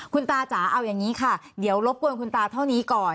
คุณตาจ๋าเอาอย่างนี้ค่ะเดี๋ยวรบกวนคุณตาเท่านี้ก่อน